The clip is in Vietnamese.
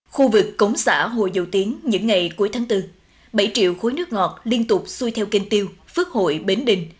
khu vực cống xã hồ dầu tiếng những ngày cuối tháng bốn bảy triệu khối nước ngọt liên tục xuôi theo kênh tiêu phước hội bến đình